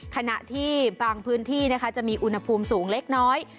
ขณะที่บางพื้นที่นะคะจะมีอุณหภูมิสูงเล็กน้อย